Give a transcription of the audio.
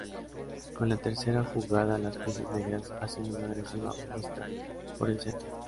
Con la tercera jugada, las piezas negras hacen una agresiva apuesta por el centro.